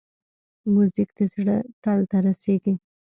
موزیک د زړه تل ته رسېږي.